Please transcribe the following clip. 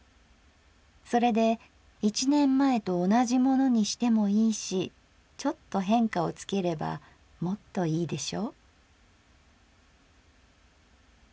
それで一年前と同じものにしてもいいしちょっと変化をつければもっといいでしょ」。